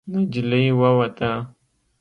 نجلۍ ووته.